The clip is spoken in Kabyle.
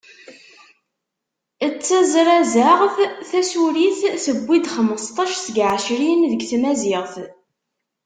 D tazrazaɣt tasurit, tewwi-d xmesṭac seg ɛecrin deg tmaziɣt.